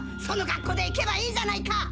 そのかっこで行けばいいじゃないか！